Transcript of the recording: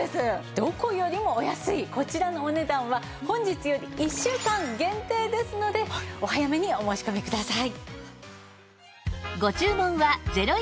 どこよりもお安いこちらのお値段は本日より１週間限定ですのでお早めにお申し込みください。